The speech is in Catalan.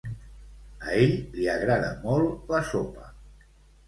A ell li agrada molt la sopa.